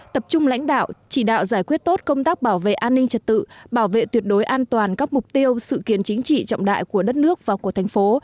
tập trung lãnh đạo chỉ đạo giải quyết tốt công tác bảo vệ an ninh trật tự bảo vệ tuyệt đối an toàn các mục tiêu sự kiện chính trị trọng đại của đất nước và của thành phố